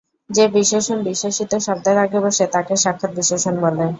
যে বিশেষণ বিশেষিত শব্দের আগে বসে তাকে সাক্ষাৎ বিশেষণ বলে।